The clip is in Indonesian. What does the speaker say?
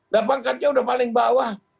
nah pangkatnya udah paling bawah